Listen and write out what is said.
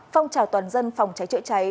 phong trào toàn dân phòng cháy trợ cháy